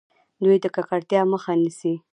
دوی د ککړتیا مخه نیسي.